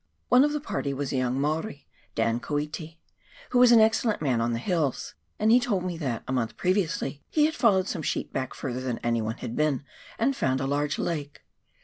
One of the party was a young Maori — Dan Koeti, who is an excellent man on the hills — and he told me that, a month previously, he had followed some sheep back further than anyone had been, and found a large lake.